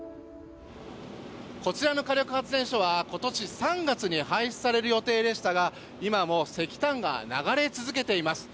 こちらの火力発電所は今年３月に廃止される予定でしたが今も石炭が流れ続けています。